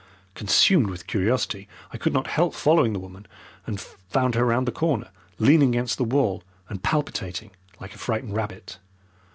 Consumed with curiosity, I could not help following the woman, and found her round the corner leaning against the wall and palpitating like a frightened rabbit.